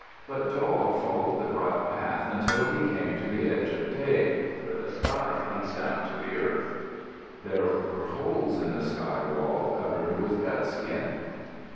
But Doll followed the bright path until he came to the edge of day, where the sky comes down to the earth. There were holes in the sky wall covered with gut skin.